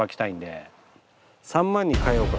３万に変えようか。